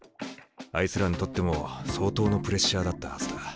あいつらにとっても相当のプレッシャーだったはずだ。